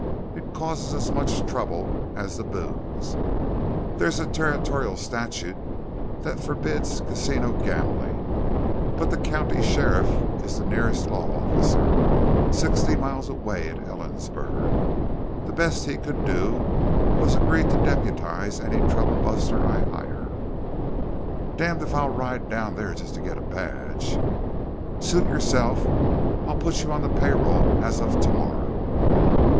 It causes as much trouble as the booze. There's a territorial statute that forbids casino gambling, but the county sheriff is the nearest law officer sixty miles away at Ellensburg. The best he could do was agree to deputize any troublebuster I hire." "Damned if I'll ride down there just to get a badge." "Suit yourself. I'll put you on the payroll as of tomorrow."